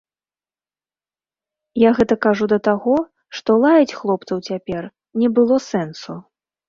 Я гэта кажу да таго, што лаяць хлопцаў цяпер не было сэнсу.